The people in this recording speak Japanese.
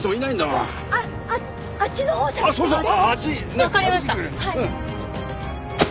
わかりましたはい。